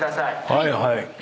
はいはい。